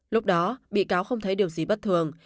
lúc đó bị cáo không thấy điều gì bất thường